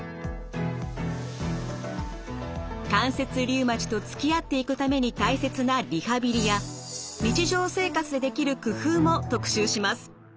関節リウマチとつきあっていくために大切なリハビリや日常生活でできる工夫も特集します。